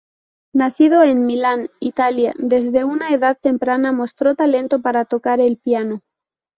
Nacido en Milán, Italia, desde una edad temprana mostró talento para tocar el piano.